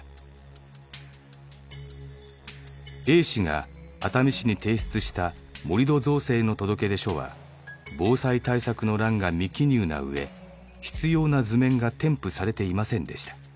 Ａ氏が熱海市に提出した盛り土造成の届け出書は防災対策の欄が未記入な上必要な図面が添付されていませんでした。